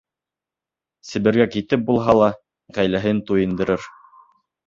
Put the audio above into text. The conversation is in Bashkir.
Себергә китеп булһа ла ғаиләһен туйындырыр.